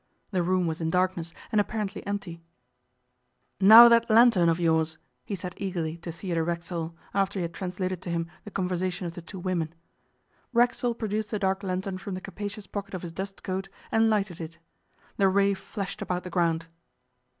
The room was in darkness, and apparently empty. 'Now for that lantern of yours,' he said eagerly to Theodore Racksole, after he had translated to him the conversation of the two women, Racksole produced the dark lantern from the capacious pocket of his dust coat, and lighted it. The ray flashed about the ground.